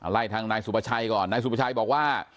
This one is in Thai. ไล่ทางนายสุภาชัยก่อนนายสุภาชัยบอกว่า